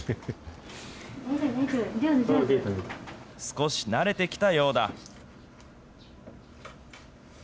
少し慣れてきたようだ。